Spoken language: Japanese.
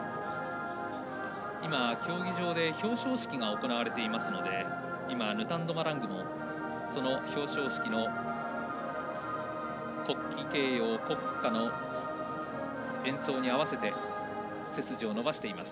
競技場で表彰式が行われていますのでヌタンド・マラング、表彰式の国旗掲揚、国歌の演奏に合わせて背筋を伸ばしています。